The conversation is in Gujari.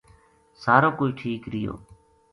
سارو کوئی ٹھیک رہیو